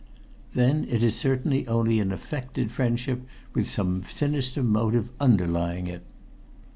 "Then it is certainly only an affected friendship, with some sinister motive underlying it."